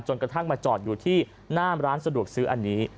กระทั่งมาจอดอยู่ที่หน้าร้านสะดวกซื้ออันนี้